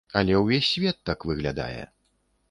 Але ўвесь свет так выглядае.